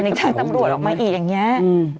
ทางตำรวจออกมาอีกอย่างนี้